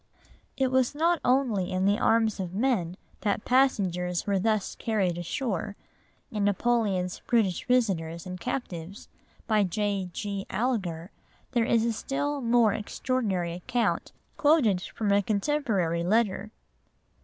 It was not only in the arms of men that passengers were thus carried ashore, in Napoleon's British Visitors and Captives, by J. G. Alger, there is a still more extraordinary account quoted from a contemporary letter.